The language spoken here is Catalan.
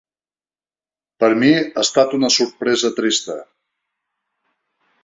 Per a mi ha estat una sorpresa trista.